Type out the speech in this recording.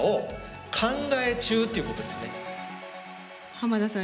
浜田さん